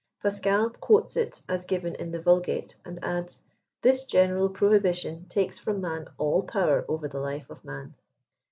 Pascal quotes it as given in the Vulgate, and adds, " this general prohibition takes from man all power over the life of man."